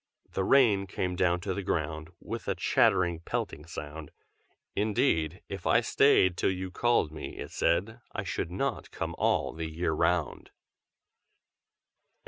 The rain came down to the ground, With a chattering, pelting sound. "Indeed, if I stayed Till you called me," it said, "I should not come all the year round!"